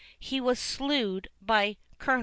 He was slewed by Col.